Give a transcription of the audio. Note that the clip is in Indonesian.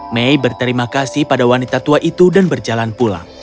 may berterima kasih pada wanita tua itu dan berjalan pulang